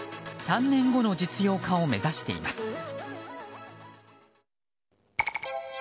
３年後の実用化を目指しています。